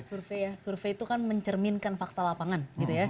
kalau kita lihat survei survei itu mencerminkan fakta lapangan